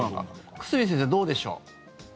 久住先生どうでしょう？